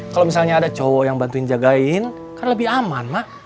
kalau misalnya ada cowok yang bantuin jagain kan lebih aman mak